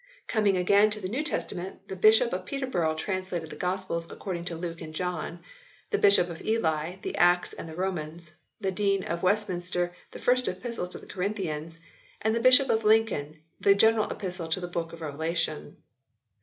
Coming again to the New Testament, the Bishop of Peterborough translated the Gospels according to Luke and John, the Bishop of Ely the Acts and the Romans, the Dean of West minster the 1st Epistle to the Corinthians, and the Bishop of Lincoln the General Epistles to the book of Revelation.